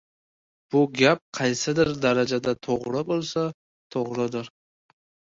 Bu gap qaysidir darajada to‘g‘ri bo‘lsa, to‘g‘ridir.